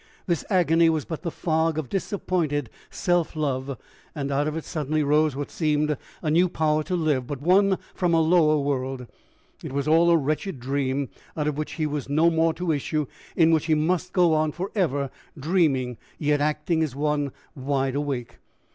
This agony was but the fog of disappointed self love; and out of it suddenly rose what seemed a new power to live, but one from a lower world: it was all a wretched dream, out of which he was no more to issue, in which he must go on for ever, dreaming, yet acting as one wide awake!